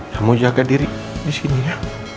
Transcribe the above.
kamu jaga diri disini ya